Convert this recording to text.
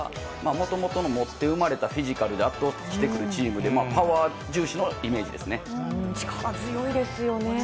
もともとの持って生まれたフィジカルで圧倒してくるチームで、力強いですよね。